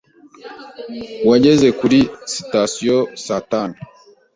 wageze kuri sitasiyo saa tanu.